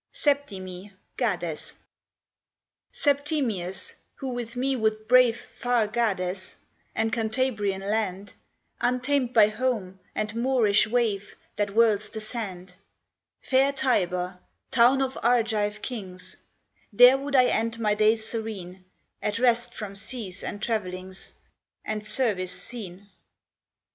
SEPTIMI, GADES. Septimius, who with me would brave Far Gades, and Cantabrian land Untamed by Home, and Moorish wave That whirls the sand; Fair Tibur, town of Argive kings, There would I end my days serene, At rest from seas and travellings, And service seen.